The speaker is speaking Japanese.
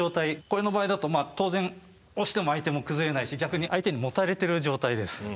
これの場合だと当然押しても相手も崩れないし逆に相手にもたれてる状態です。